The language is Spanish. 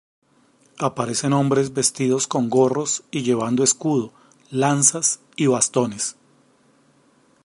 Aparecen hombres vestidos con gorros y llevando escudo, lanzas y bastones.